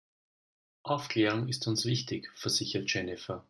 Aufklärung ist uns wichtig, versichert Jennifer.